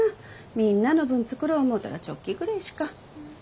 みんなの分作ろう思うたらチョッキぐれえしか。